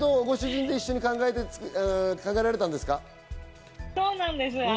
ご主人と一緒に考えられたんですか？